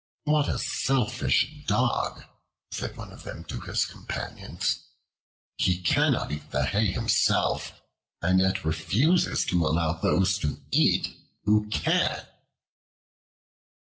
"What a selfish Dog!" said one of them to his companions; "he cannot eat the hay himself, and yet refuses to allow those to eat who can."